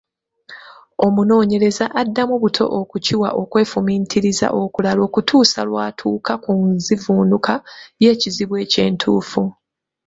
Omunoonyereza addamu buto okukiwa okwefumiitiriza okulala okutuusa lw’atuuka ku nzivuunuka y’ekizibu ekyo entuufu.